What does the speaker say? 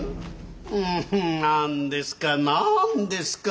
うん何ですか何ですか。